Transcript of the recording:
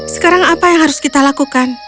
sekarang apa yang harus kita lakukan